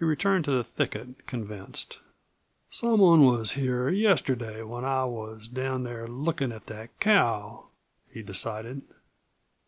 He returned to the thicket, convinced. "Some one was here yesterday when I was down there lookin' at that cow," he decided.